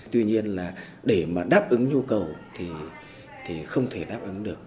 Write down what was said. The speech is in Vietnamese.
tuy nhiên là để mà đáp ứng nhu cầu thì không thể đáp ứng được